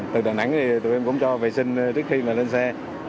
từ đà nẵng thì tụi em cũng cho vệ sinh trước khi mà lên xe